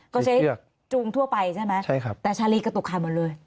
ก็ใช้จูงทั่วไปใช่ไหมใช่ครับแต่ชาลีกระตุกขายหมดเลย